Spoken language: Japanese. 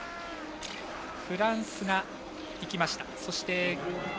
フランスがいきました。